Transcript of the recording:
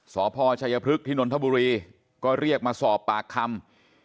สพชัยพฤกษ์ที่นนทบุรีก็เรียกมาสอบปากคำ